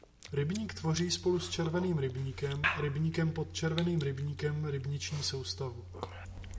Rybník tvoří spolu s Červeným rybníkem a rybníkem Pod Červeným rybníkem rybniční soustavu.